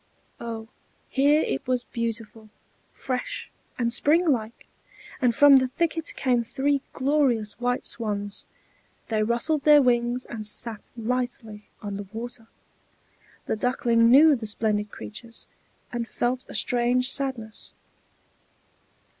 Oh, here it was beautiful, fresh, and springlike! and from the thicket came three glorious white swans; they rustled their wings, and sat lightly on the water. The Duckling knew the splendid creatures, and felt a strange sadness.